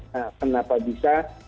nah kenapa bisa